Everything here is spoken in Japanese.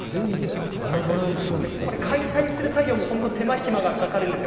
解体する作業も手間暇がかかるんですよ。